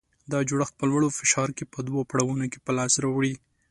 دا جوړښت په لوړ فشار کې په دوه پړاوونو کې په لاس راوړي.